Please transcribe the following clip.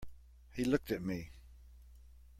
He looked at me.